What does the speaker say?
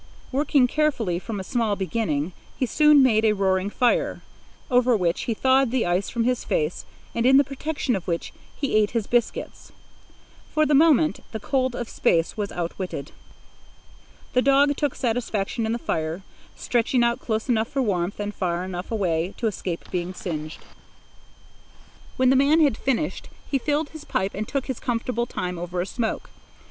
Working carefully from a small beginning, he soon had a roaring fire, over which he thawed the ice from his face and in the protection of which he ate his biscuits. For the moment the cold of space was outwitted. The dog took satisfaction in the fire, stretching out close enough for warmth and far enough away to escape being singed. When the man had finished, he filled his pipe and took his comfortable time over a smoke.